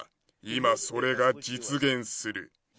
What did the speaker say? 今、それが実現する。